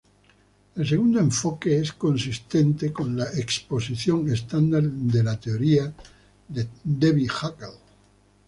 El segundo enfoque es consistente con la exposición estándar de la teoría de Debye-Hückel.